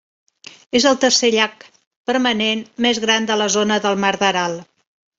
És el tercer llac permanent més gran de la zona del mar d'Aral.